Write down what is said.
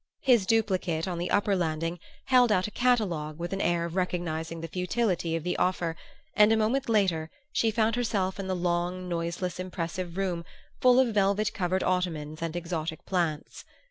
His duplicate, on the upper landing, held out a catalogue with an air of recognizing the futility of the offer; and a moment later she found herself in the long noiseless impressive room full of velvet covered ottomans and exotic plants.